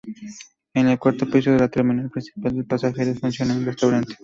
En el cuarto piso de la Terminal Principal de Pasajeros funciona un restaurante.